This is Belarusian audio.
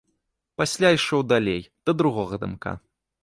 Пасля ішоў далей, да другога дамка.